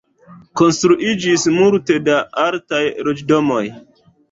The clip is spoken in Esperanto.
Konstruiĝis multe da altaj loĝdomoj.